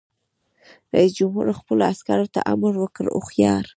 رئیس جمهور خپلو عسکرو ته امر وکړ؛ هوښیار!